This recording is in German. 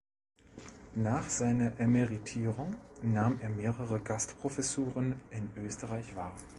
Nach seiner Emeritierung nahm er mehrere Gastprofessuren in Österreich wahr.